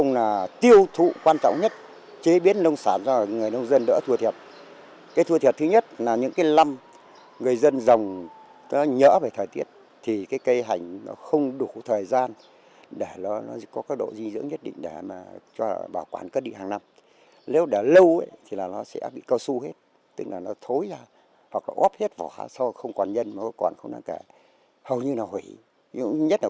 nếu không bán nhanh không chi biến nhanh thì coi như là bỏ coi như là dân lỗ một trăm linh